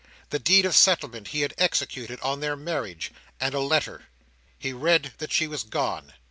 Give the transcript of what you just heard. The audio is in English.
The deed of settlement he had executed on their marriage, and a letter. He read that she was gone.